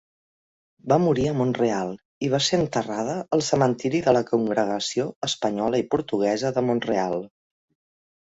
Va morir a Mont-real i va ser enterrada al cementeri de la Congregació Espanyola i Portuguesa de Mont-real.